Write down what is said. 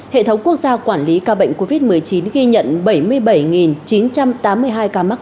hệ thống quốc gia quản lý ca bệnh covid một mươi chín ghi nhận bảy mươi bảy chín trăm tám mươi hai ca mắc